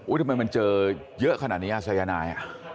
ทำไมมันเจอเยอะขนาดนี้สายนาย